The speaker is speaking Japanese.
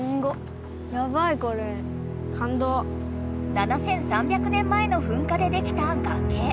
７，３００年前のふんかでできた崖。